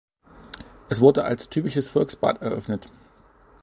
Es wurde als typisches Volksbad eröffnet.